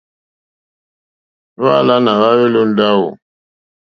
Hwáǎnà hwáhwélì ó ndáwò.